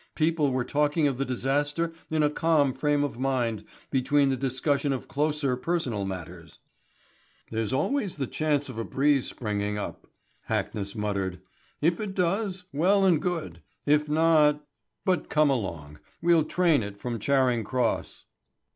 People were talking of the disaster in a calm frame of mind between the discussion of closer personal matters. "There's always the chance of a breeze springing up," Hackness muttered. "If it does, well and good, if not but come along. We'll train it from Charing Cross."